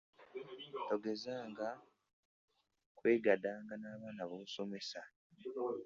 Togezanga kwegadanga n'abaana b'osomesa.